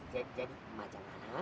jadi jadi macam apa